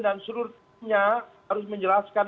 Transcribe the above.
dan seluruhnya harus menjelaskan